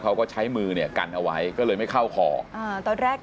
เขาก็ใช้มือเนี่ยกันเอาไว้ก็เลยไม่เข้าคออ่าตอนแรก